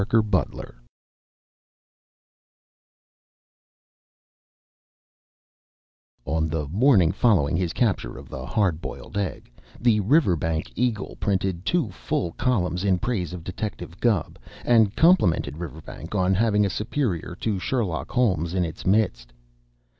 THE PET On the morning following his capture of the Hard Boiled Egg, the "Riverbank Eagle" printed two full columns in praise of Detective Gubb and complimented Riverbank on having a superior to Sherlock Holmes in its midst.